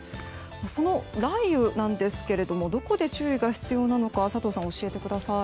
その雷雨なんですがどこで注意が必要なのか佐藤さん、教えてください。